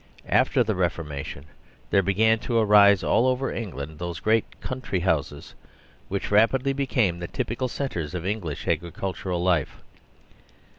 After the Reformation there began to arise all over England those great " country houses" which rapidly became the typical centres of English agricultural life.